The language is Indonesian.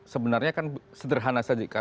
sebenarnya kan sederhana saja